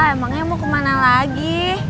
emangnya mau kemana lagi